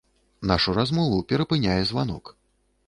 Нашу размову перапыняе званок.